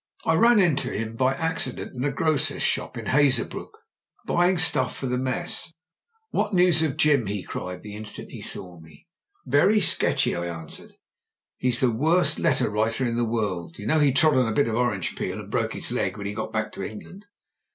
I ran into him by accident JIM BRENT'S V.C 139 in a grocer's shop in Hazebrouck — ^buying stuff for the mess. "\Yhat news of Jim?" he cried, the instant he saw me. Very sketchy," I answered. "He's the worst let ter writer in the world. You know he trod on a bit of orange peel and broke his leg when he got back to England."